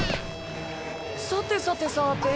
さてさてさて？